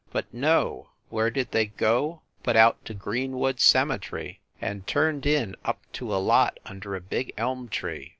But no, where did they go but out to Greenwood Cemetery, and turned in up to a lot under a big elm tree.